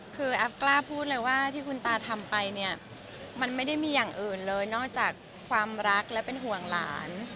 คือแอฟกล้าพูดเลยว่าที่คุณตาทำไปเนี่ยมันไม่ได้มีอย่างอื่นเลยนอกจากความรักและเป็นห่วงหลาน